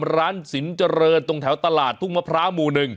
ร้านสินเจริญตรงแถวตลาดทุ่งมะพร้าวหมู่๑